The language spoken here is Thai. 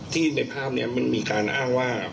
ในภาพนี้มันมีการอ้างว่า